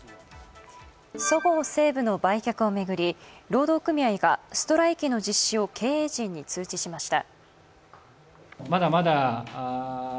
そごう・西武の売却を巡り労働組合がストライキの実施を経営陣に通知しました。